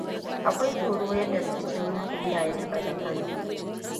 Akwai tsoro yadda rikicin nukiliya ya taɓa Japan.